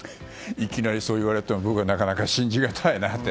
いきなりそう言われても僕はなかなか信じがたいなと。